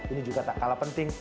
ini juga tak kalah penting